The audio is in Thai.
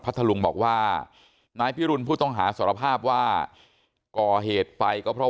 ทะลุงบอกว่านายพิรุณผู้ต้องหาสารภาพว่าก่อเหตุไปก็เพราะ